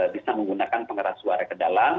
bisa menggunakan pengeras suara ke dalam